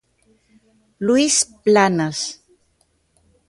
Luís Planas.